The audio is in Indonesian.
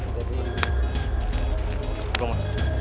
itu gue dulu ya